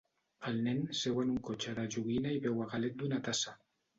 El nen seu en un cotxe de joguina i beu a galet d'una tassa